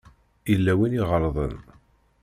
Yella win i iɣelḍen.